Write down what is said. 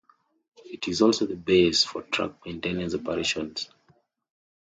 It is also the base for track maintenance operations.